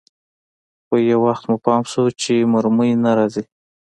خو يو وخت مو پام سو چې مرمۍ نه راځي.